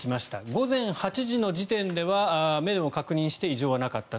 午前８時の時点では目でを確認して異常はなかった。